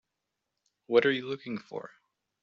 What are you looking for?